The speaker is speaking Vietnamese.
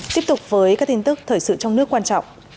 tiếp tục với các tin tức thời sự trong nước quan trọng